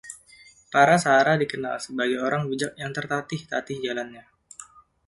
Parasahara dikenal sebagai “orang bijak yang tertatih-tatih jalannya.